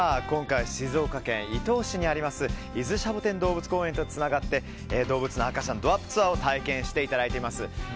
今回は静岡県伊東市にある伊豆シャボテン動物公園とつながって動物の赤ちゃんドアップツアーを体験していただいています。